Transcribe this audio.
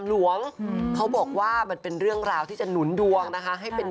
ต้องเพิ่มขึ้นมาพ้น